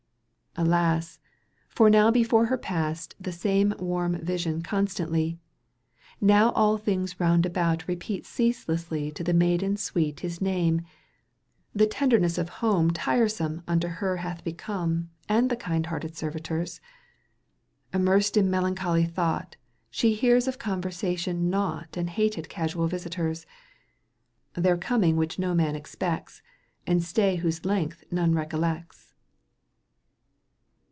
Alas ! for now before her passed The same warm vision constantly ; Now all things round about repeat Ceaselessly to the maiden sweet His name : the tenderness of home Tiresome unto her hath become And the kind hearted servitors : Immersed in melancholy thought, She hears of conversation nought And hated casual visitors, Their coming which no man expects, And stay whose length none recollects.